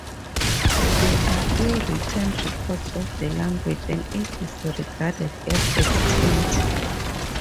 There are few written records of the language, and it is regarded as extinct.